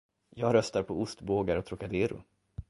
Jag röstar på ostbågar och trocadero.